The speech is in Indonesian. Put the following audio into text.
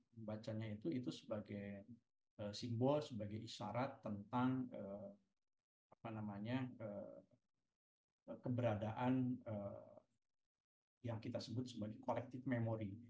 membacanya itu sebagai simbol sebagai isyarat tentang keberadaan yang kita sebut sebagai collected memory